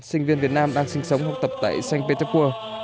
sinh viên việt nam đang sinh sống học tập tại sanh petersburg